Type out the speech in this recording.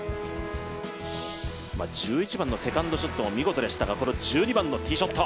１１番のセカンドショットも見事でしたがこの１２番のティーショット。